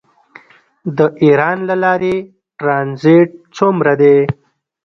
د ایران له لارې ټرانزیټ څومره دی؟